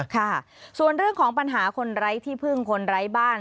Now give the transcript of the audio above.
ค่ะส่วนเรื่องของปัญหาคนไร้ที่พึ่งคนไร้บ้าน